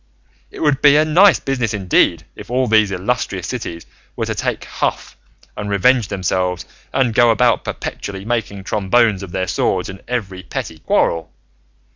It would be a nice business indeed if all these illustrious cities were to take huff and revenge themselves and go about perpetually making trombones of their swords in every petty quarrel!